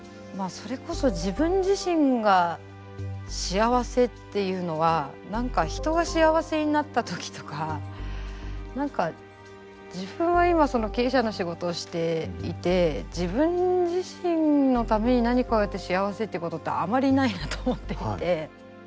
それこそ自分自身が幸せっていうのは何か人が幸せになった時とか自分は今経営者の仕事をしていて自分自身のために何かを得て幸せってことってあまりないなと思っていて。